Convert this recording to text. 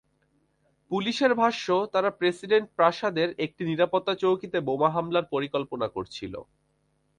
পুলিশের ভাষ্য, তারা প্রেসিডেন্ট প্রাসাদের একটি নিরাপত্তা চৌকিতে বোমা হামলার পরিকল্পনা করছিল।